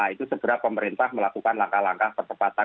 itu segera pemerintah melakukan langkah langkah percepatan